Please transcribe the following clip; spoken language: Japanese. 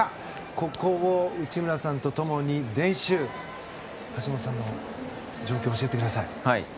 ここを内村さんと共に練習を見て橋本さんの状況を教えてください。